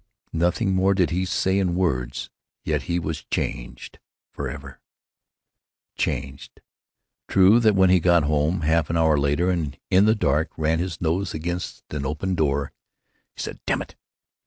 Nothing more did he say, in words, yet he was changed for ever. Changed. True that when he got home, half an hour later, and in the dark ran his nose against an opened door, he said, "Damn it!"